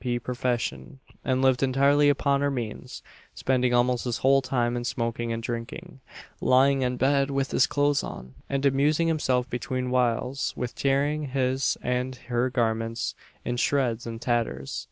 P. profession, and lived entirely upon her means, spending almost his whole time in smoking and drinking, lying in bed with his clothes on, and amusing himself between whiles with tearing his and her garments in shreds and tatters.